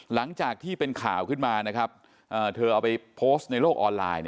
หลังจากที่เป็นข่าวขึ้นมานะครับเธอเอาไปโพสต์ในโลกออนไลน์